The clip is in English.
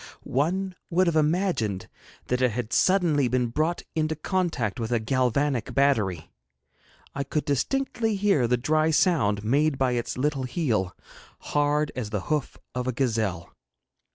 One would have imagined that it had suddenly been brought into contact with a galvanic battery. I could distinctly hear the dry sound made by its little heel, hard as the hoof of a gazelle.